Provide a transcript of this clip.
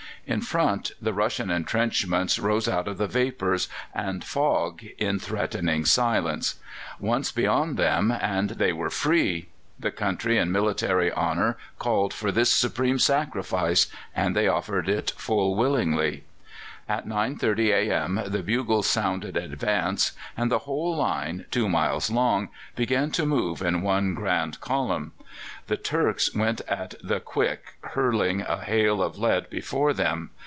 In front the Russian entrenchments rose out of the vapours and fog in threatening silence; once beyond them, and they were free! The country and military honour called for this supreme sacrifice, and they offered it full willingly. At 9.30 a.m. the bugles sounded "Advance," and the whole line, two miles long, began to move in one grand column. The Turks went at the quick, hurling a hail of lead before them.